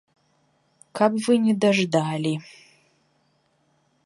Каб вы не даждалі!